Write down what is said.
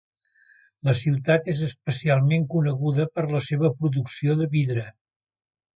La ciutat és especialment coneguda per la seva producció de vidre.